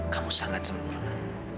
kamu sangat sempurna